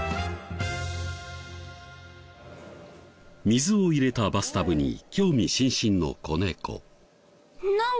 水を入れたバスタブに興味津々の子猫。